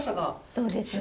そうですね。